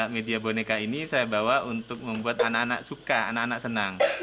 media boneka ini saya bawa untuk membuat anak anak suka anak anak senang